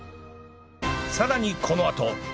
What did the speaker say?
さらにこのあと